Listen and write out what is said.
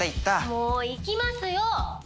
もう行きますよ！